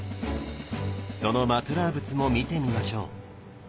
そのマトゥラー仏も見てみましょう。